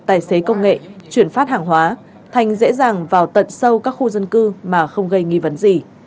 tài xế công nghệ chuyển phát hàng hóa thành dễ dàng vào tận sâu các khu dân cư mà không gây nghi vấn gì